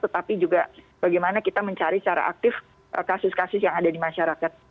tetapi juga bagaimana kita mencari secara aktif kasus kasus yang ada di masyarakat